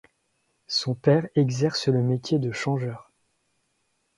Son père exerce le métier de changeur.